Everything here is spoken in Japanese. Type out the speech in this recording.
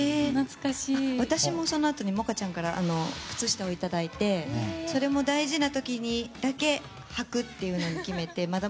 私もそのあとに萌歌ちゃんから靴下をいただいてそれも大事な時にだけはくっていうのを決めて。